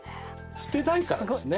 捨てないからですね。